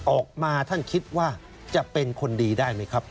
ออกมาท่านคิดว่าจะเป็นคนดีได้ไหมครับ